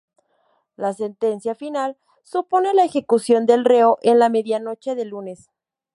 La sentencia, final, supone la ejecución del reo en la medianoche del lunes.